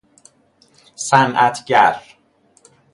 صنعتگر